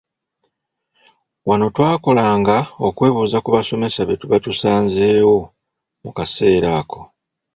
Wano twakolanga okwebuuza ku basomesa be tuba tusanzeewo mu kaseera ako.